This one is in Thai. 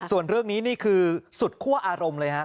ส่วนเรื่องนี้นี่คือสุดคั่วอารมณ์เลยฮะ